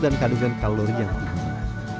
dan kalori yang tinggi